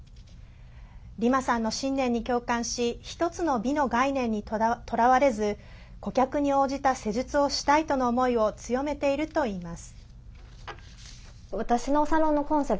リマさんの信念に共感し１つの美の概念にとらわれず顧客に応じた施術をしたいとの思いを強めているといいます。